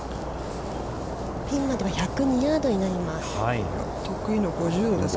◆ピンまで１０２ヤードになります。